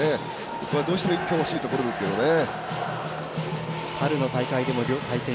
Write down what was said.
ここは、どうしても１点欲しいところですけどね。